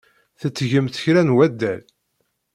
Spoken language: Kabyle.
Tettgemt kra n waddal?